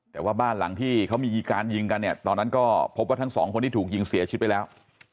แต่ว่าบ้านหลังที่เขามีการยิงกันเนี่ยตอนนั้นก็พบว่าทั้งสองคนที่ถูกยิงเสียชีวิตไปแล้ว